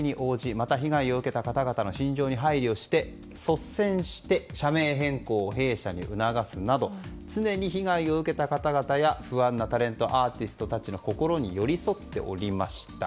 また、被害を受けた方々の心情に配慮して率先して社名変更を弊社に促すなど常に被害を受けた方々や不安なタレントアーティストたちの心に寄り添っておりました。